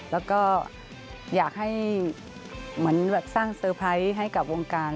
แล้วก็อยากให้เหมือนแบบสร้างเซอร์ไพรส์ให้กับวงการ